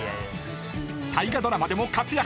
［大河ドラマでも活躍］